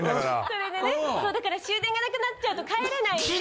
それでねだから終電が無くなっちゃうと帰れないんで。